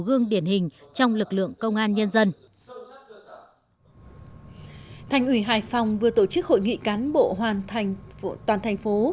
thành ủy hải phòng vừa tổ chức hội nghị cán bộ hoàn thành toàn thành phố